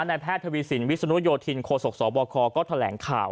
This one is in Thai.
แพทย์ทวีสินวิศนุโยธินโคศกสบคก็แถลงข่าว